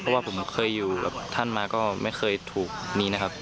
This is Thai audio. เพราะว่าผมเคยอยู่กับท่านมาก็ไม่เคยถูกนี้นะครับ